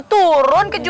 kita tuh di sini aja bu